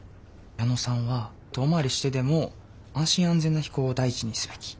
矢野さんは遠回りしてでも安心安全な飛行を第一にすべき。